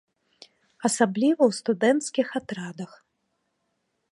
Асабліва ў студэнцкіх атрадах.